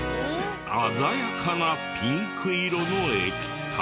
鮮やかなピンク色の液体。